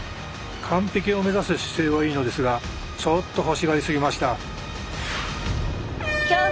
完璧を目指す姿勢はいいのですがちょっと欲しがりすぎました。